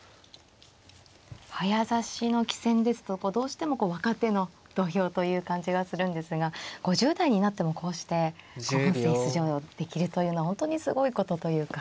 早指しの棋戦ですとどうしても若手の土俵という感じがするんですが５０代になってもこうして本戦出場できるというのは本当にすごいことというか。